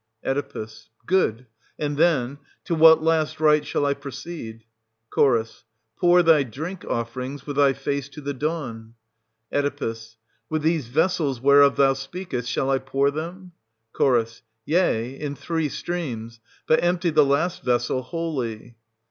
Oe. Good ; and then, — to what last rite shall I proceed ? Ch. Pour thy drink offerings, with thy face to the dawn. Oe. With these vessels whereof thou speakest shall I pour them } Ch. Yea, in three streams ; but empty the last vessel wholly.